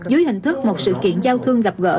dưới hình thức một sự kiện giao thương gặp gỡ